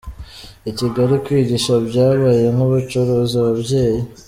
I Kigali kwigisha byabaye nk’ubucuruzi – Ababyeyi